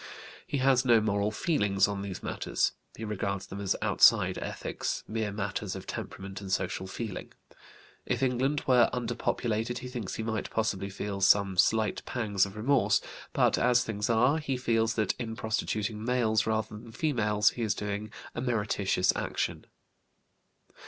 He has no moral feelings on these matters; he regards them as outside ethics, mere matters of temperament and social feeling. If England were underpopulated he thinks he might possibly feel some slight pangs of remorse; but, as things are, he feels that in prostituting males rather than females he is doing a meritorious action.